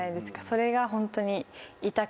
それがホントに痛くて。